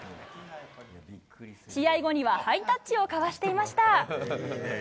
試合後には、ハイタッチを交わしていました。